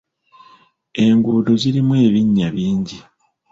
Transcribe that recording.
Enguudo zirimu ebinnya bingi.